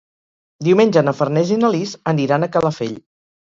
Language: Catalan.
Diumenge na Farners i na Lis aniran a Calafell.